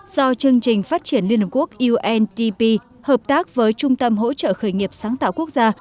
do chương trình phát triển liên hợp quốc undp hợp tác với trung tâm hỗ trợ khởi nghiệp sáng tạo quốc gia